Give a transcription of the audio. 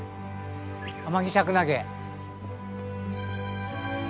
アマギシャクナゲ。